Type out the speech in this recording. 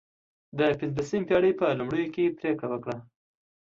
د پنځلسمې پېړۍ په لومړیو کې پرېکړه وکړه.